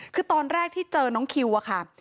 คือตอนแรกที่เจอน้องคิวอะค่ะ